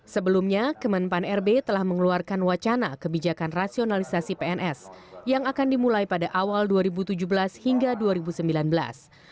sebelumnya kemenpan rb telah mengeluarkan wacana kebijakan rasionalisasi pns yang akan dimulai pada awal dua ribu tujuh belas hingga dua ribu sembilan belas